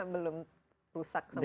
belum rusak sama sekali